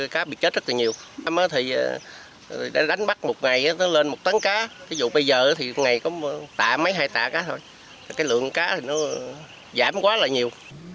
cá bị chết rất là nhiều thì để đánh bắt một ngày nó lên một tấn cá ví dụ bây giờ thì ngày có tạ mấy hai tạ cá thôi cái lượng cá thì nó giảm quá là nhiều